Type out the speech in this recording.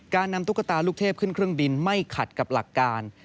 การนำตุ๊กตาลูกเทพขึ้นเครื่องบินไม่ขัดกับหลักการ